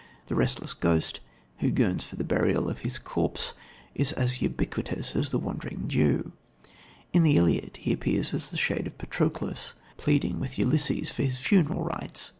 The restless ghost, who yearns for the burial of his corpse, is as ubiquitous as the Wandering Jew. In the Iliad he appears as the shade of Patroclus, pleading with Achilles for his funeral rites.